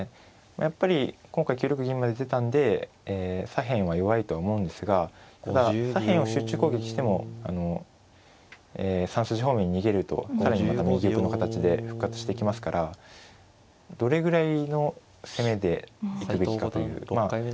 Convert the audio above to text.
やっぱり今回９六銀まで出たんで左辺は弱いと思うんですがただ左辺を集中攻撃しても３筋方面に逃げると更にまた右玉の形で復活してきますからどれぐらいの攻めで行くべきかというまあ